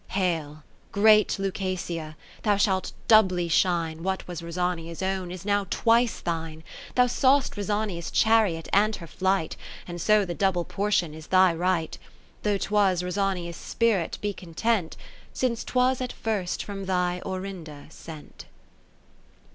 Hail, great Lucasia, thou shalt doubly shine, What was Rosania's own is now twice thine ; 20 Thou saw'st Rosania's chariot and her flight. And so the double portion is thy right : Though 'twas Rosania's spirit be content. Since 'twas at first from thy Orinda sent.